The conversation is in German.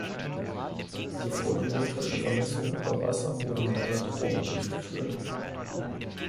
Die photometrische Vermessung über Wasser wurde mit einer Drohne durchgeführt.